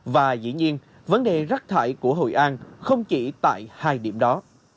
và dĩ nhiên vấn đề rác thải của hội an không chỉ tại hai điểm đó